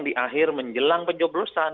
di akhir menjelang penjoblosan